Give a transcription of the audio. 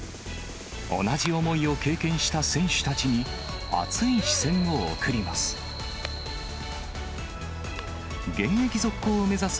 同じ思いを経験した選手たちに、熱い視線を送ります。